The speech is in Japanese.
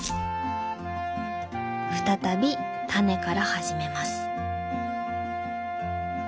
再びタネから始めます。